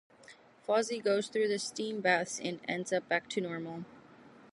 Fozzie goes through the steam baths and ends up back to normal.